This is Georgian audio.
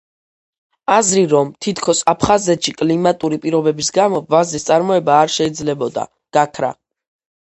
აზრი, რომ თითქოს აფხაზეთში კლიმატური პირობების გამო ვაზის წარმოება არ შეიძლებოდა, გაქრა.